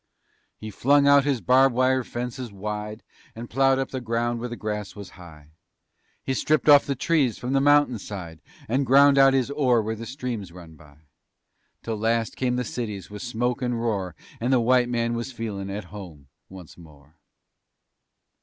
He flung out his barb wire fences wide And plowed up the ground where the grass was high. He stripped off the trees from the mountain side And ground out his ore where the streams run by, Till last came the cities, with smoke and roar, And the White Man was feelin' at home once more.